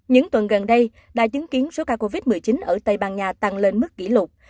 những tuần gần đây đã chứng kiến số ca covid một mươi chín ở tây ban nha tăng lên mức kỷ lục